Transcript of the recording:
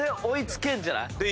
追い付けるんじゃない？